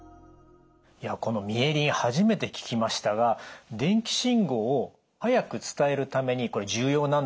このミエリン初めて聞きましたが電気信号を早く伝えるためにこれ重要なんだということですね？